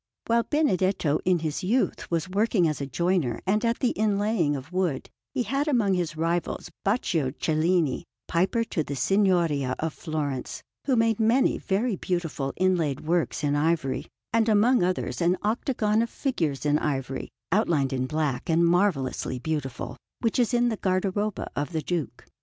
While Benedetto in his youth was working as a joiner and at the inlaying of wood, he had among his rivals Baccio Cellini, piper to the Signoria of Florence, who made many very beautiful inlaid works in ivory, and among others an octagon of figures in ivory, outlined in black and marvellously beautiful, which is in the guardaroba of the Duke.